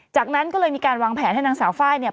จากนั้นก็เลยมีการวางแผนให้นางสาวไฟล์เนี่ย